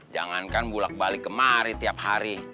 jangankan bulat balik kemari tiap hari